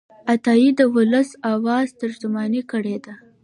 عطايي د ولس د آواز ترجماني کړې ده.